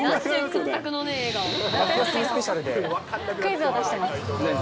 クイズを出してます。